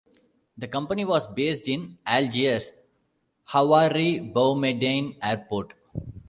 The company was based in Algiers Houari Boumedienne Airport.